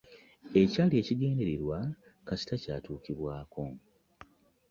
Ekyali ekigendererwa kasita kyatuukibwako.